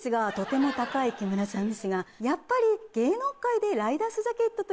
やっぱり。